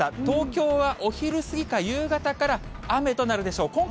東京はお昼過ぎか、夕方から雨となるでしょう。